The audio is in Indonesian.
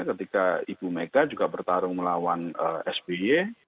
ketika ibu mega juga bertarung melawan sby